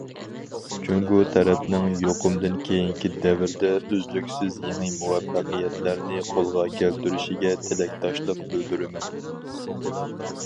جۇڭگو تەرەپنىڭ يۇقۇمدىن كېيىنكى دەۋردە ئۈزلۈكسىز يېڭى مۇۋەپپەقىيەتلەرنى قولغا كەلتۈرۈشىگە تىلەكداشلىق بىلدۈرىمەن.